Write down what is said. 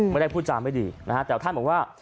ไม่ได้ผู้จำไม่ดีแต่ท่านบอกว่า